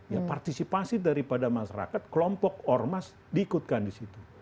ya partisipasi daripada masyarakat kelompok ormas diikutkan di situ